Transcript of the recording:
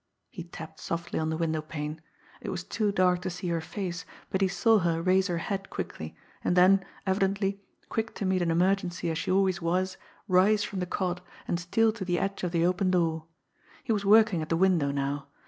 He tapped softly on the window pane. It was too dark to see her face, but he saw her raise her head quickly, and then, evidently, quick to meet an emergency as she always was, rise from the cot and steal to the edge of the open door. He was working at the window now.